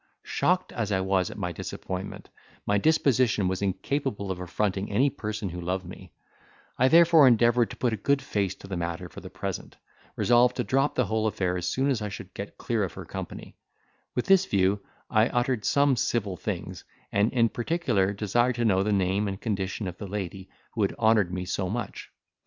Shocked as I was at my disappointment, my disposition was incapable of affronting any person who loved me; I therefore endeavoured to put a good face to the matter for the present, resolved to drop the whole affair as soon as I should get clear of her company; with this view, I uttered some civil things, and in particular desired to know the name and condition of the lady who had honoured me so much.